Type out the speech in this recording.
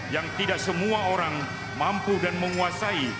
yang tidak semua orang mampu dan menguasai